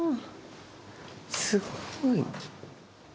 すごい。